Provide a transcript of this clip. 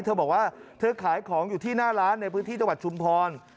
เธอบอกว่าเธอขายของอยู่ที่หน้าร้านในพื้นที่จังหวัดชุมพร